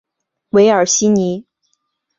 韦尔西尼。